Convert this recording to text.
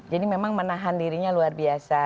jadi memang menahan dirinya luar biasa